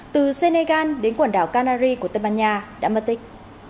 từ senegal đến quần đảo canary của tây ban nha đã mất tích